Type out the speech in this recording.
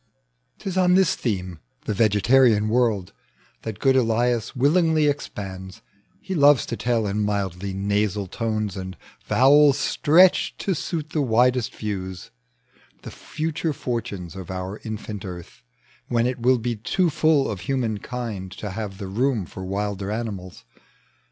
'Tis on this theme — the vegetarian world — That good Eliaa willingly expands : He loves to tell in mildly nasal tones And vowels stretched to suit the widest views, The future fortunes of our infant Earth — When it will be too full of human kind To have the room for wilder animals.